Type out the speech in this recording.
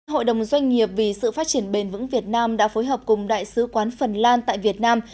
hội đồng doanh nghiệp vì sự phát triển bền vững việt nam đã phối hợp cùng đại sứ quán phần lan tại việt nam